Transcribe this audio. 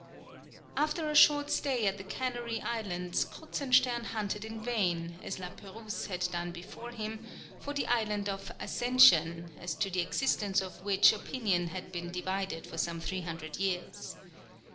After a short stay at the Canary Islands, Kruzenstern hunted in vain, as La Pérouse had done before him, for the Island of Ascension, as to the existence of which opinion had been divided for some three hundred years.